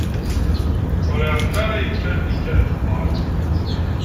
Ur iɛeṭṭel ara yekker lexber.